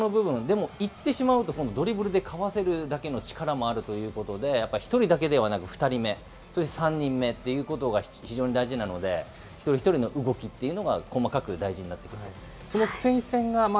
でも行ってしまうと、今度ドリブルでかわせるだけの力があるということで、やっぱり１人だけではなくて、２人目、そして３人目ということが非常に大事なので、一人一人の動きっていうのが細かく大事になってくると。